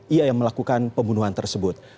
ia yang melakukan pembunuhan tersebut